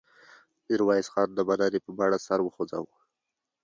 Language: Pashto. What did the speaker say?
میرویس خان د مننې په بڼه سر وخوځاوه.